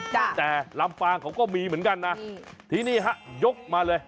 แต่ลำปางเขาก็มีเหมือนกันนะที่นี่ฮะยกมาเลย